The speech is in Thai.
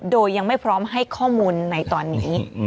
โดยยังไม่พร้อมให้ข้อมูลในตอนนี้